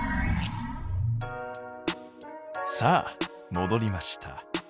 さあもどりました。